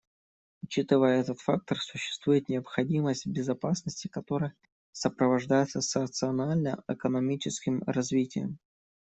Учитывая этот фактор, существует необходимость в безопасности, которая сопровождается социально-экономическим развитием.